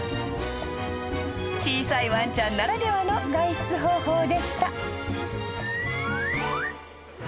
［小さいワンちゃんならではの外出方法でした］